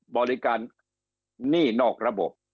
บริการหนี้นอกระบบ